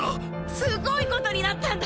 すっごいことになったんだ！